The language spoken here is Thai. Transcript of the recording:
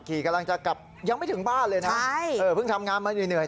กำลังจะกลับยังไม่ถึงบ้านเลยนะใช่เออเพิ่งทำงานมาเหนื่อย